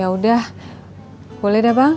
ya udah boleh deh bang